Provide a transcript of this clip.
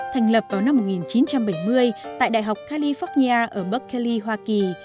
thành lập vào năm một nghìn chín trăm bảy mươi tại đại học california ở berkeley hoa kỳ